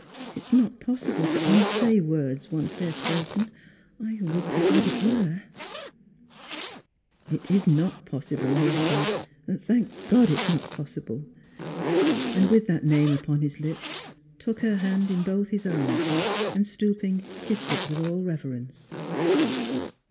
" It is not possible to unsay words, once they are spoken ^I would to God it were !'''' It is not possible," he echoed. '' Thank God, it is not possible! " and with that name upon his lips, took her hand in both his own, and stooping Jdssed it with all reverence.